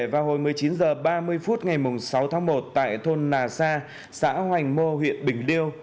vào hồi một mươi chín h ba mươi phút ngày sáu tháng một tại thôn nà sa xã hoành mô huyện bình liêu